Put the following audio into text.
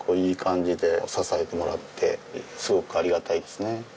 いい感じで支えてもらってすごくありがたいですね。